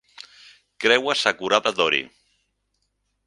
Creua Sakurada Dori.